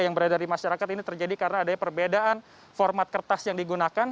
yang berada di masyarakat ini terjadi karena adanya perbedaan format kertas yang digunakan